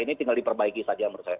ini tinggal diperbaiki saja menurut saya